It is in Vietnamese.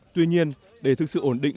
tuy nhiên để thực sự ổn định